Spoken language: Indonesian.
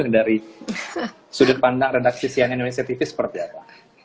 dari sudut pandang redaksi cnn indonesia tv seperti apa